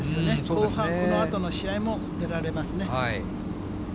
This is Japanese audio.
後半、このあとの試合も出られますね。